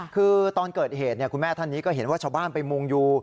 คือตอนเกิดเหตุคุณแม่ท่านนี้ก็เห็นว่าชาวบ้านไปมุงดู